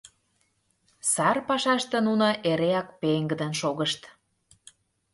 Сар пашаште нуно эреак пеҥгыдын шогышт.